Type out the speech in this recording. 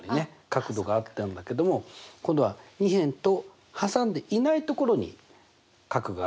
角度があったんだけども今度は２辺と挟んでいないところに角があるんだよね。